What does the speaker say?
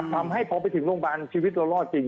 ทำให้พอไปถึงโรงพยาบาลชีวิตเรารอดจริง